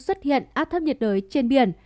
xuất hiện át thấp nhiệt đới trên biển